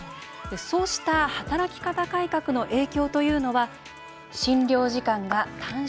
そうした働き方改革の影響というのは診療時間が短縮されるなど